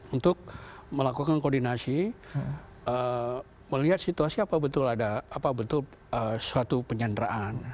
untuk melakukan koordinasi melihat situasi apa betul ada apa betul suatu penyanderaan